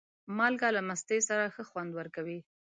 مالګه له مستې سره ښه خوند ورکوي.